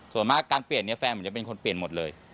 ส่วนมากการเปลี่ยนเนี่ยแฟนผมจะเป็นคนเปลี่ยนหมดเลย